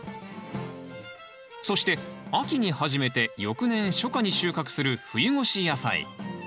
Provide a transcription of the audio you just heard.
そして秋に始めて翌年初夏に収穫する冬越し野菜。